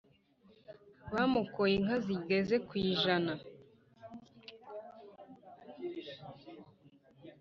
Bamukoye inka zigeze ku ijana